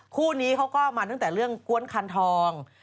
คู่นี้เขาก็มาตั้งแต่เรื่องกวนคันทอง